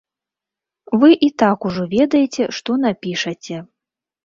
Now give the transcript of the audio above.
Вы і так ужо ведаеце, што напішаце.